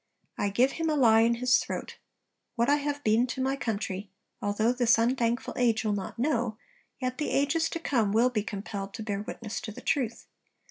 'I give him a lie in his throat!... What I have been to my country, although this unthankful age will not know, yet the ages to come will be compelled to bear witness to the truth....